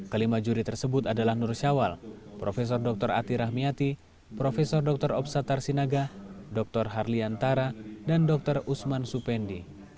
kelima juri tersebut adalah nur syawal prof dr ati rahmiati prof dr opsatar sinaga dr harliantara dan dr usman supendi